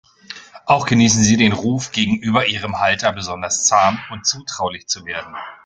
Auch genießen sie den Ruf, gegenüber ihrem Halter besonders zahm und zutraulich zu werden.